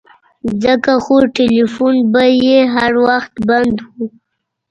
ځکه خو ټيلفون به يې هر وخت بند و.